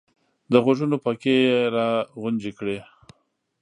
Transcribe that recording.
د غوږونو پکې یې را غونجې کړې !